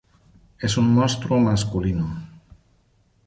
Es un monstruo "masculino".